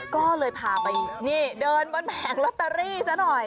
ก็เลยพาไปนี่เดินบนแผงลอตเตอรี่ซะหน่อย